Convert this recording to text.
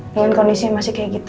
dengan kondisi yang masih kayak gitu